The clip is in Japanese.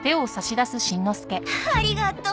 ありがとう。